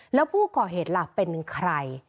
แล้วผู้ก่อเหตุล่ะเป็นใคร